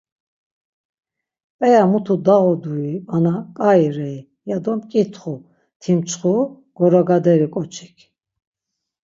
p̌eya mutu dağodui vana ǩai rei, ya do mǩitxu timçxu, goragaderi ǩoçik.